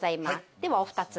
ではお二つ。